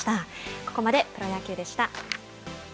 ここまでプロ野球でした。